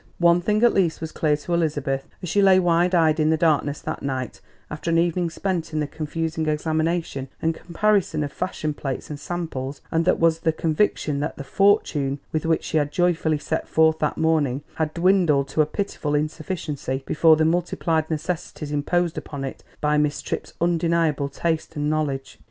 One thing at least was clear to Elizabeth as she lay wide eyed in the darkness that night, after an evening spent in the confusing examination and comparison of fashion plates and samples, and that was the conviction that the "fortune" with which she had joyfully set forth that morning had dwindled to a pitiful insufficiency before the multiplied necessities imposed upon it by Miss Tripp's undeniable taste and knowledge.